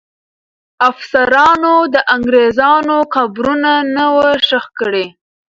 افسرانو د انګریزانو قبرونه نه وو ښخ کړي.